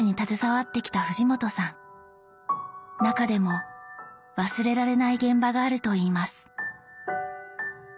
中でも忘れられない現場があるといいます。